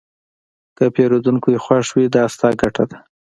که پیرودونکی خوښ وي، دا ستا ګټه ده.